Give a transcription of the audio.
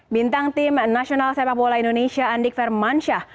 bintang tim nasional sepak bola indonesia andik vermansyah